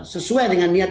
sesuai dengan niat